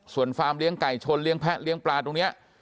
ส่วนฟาร์มเลี้ยงไก่ชนเลี้ยแพะเลี้ยงปลาตรงนี้